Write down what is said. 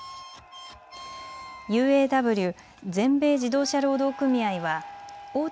ＵＡＷ・全米自動車労働組合は大手